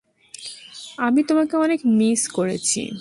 আমি তোমাকে অনেক মিস করেছি।